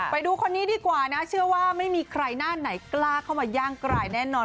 ไปดูคนนี้ดีกว่านะเชื่อว่าไม่มีใครหน้าไหนกล้าเข้ามาย่างกลายแน่นอน